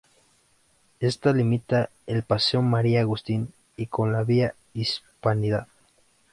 Ésta limita con el "paseo María Agustín", y con la "Vía Hispanidad".